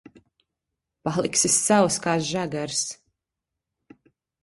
Paliksi sauss kā žagars.